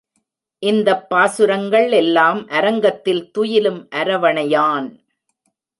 இந்தப் பாசுரங்கள் எல்லாம் அரங்கத்தில் துயிலும் அரவணையான்.